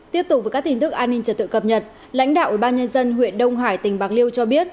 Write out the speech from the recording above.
tiếp tục với các tin tức an ninh trật tự cập nhật lãnh đạo ủy ban nhân dân huyện đông hải tỉnh bạc liêu cho biết